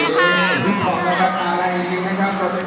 สวัสดีครับ